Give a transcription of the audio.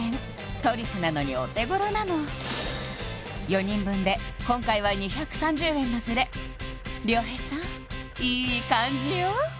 トリュフなのにお手頃なの４人分で今回は２３０円のズレ亮平さんいい感じよ